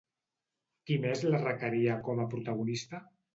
Qui més la requeria com a protagonista?